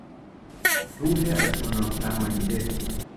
روح از گناه رهانیده